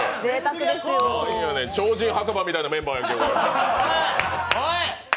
超人墓場みたいなメンバーや。